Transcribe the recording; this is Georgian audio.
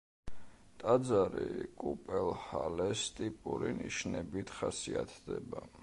ტაძარი კუპელჰალეს ტიპური ნიშნებით ხასიათდება.